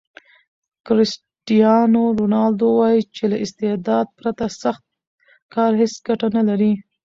کرسټیانو رونالډو وایي چې له استعداد پرته سخت کار هیڅ ګټه نلري.